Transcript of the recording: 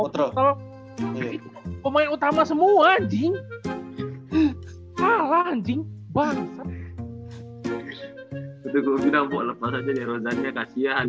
total pemain utama semua anjing ala anjing bangsa itu gue lepas aja ya